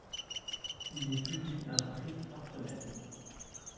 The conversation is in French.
Il y publie un strip par semaine.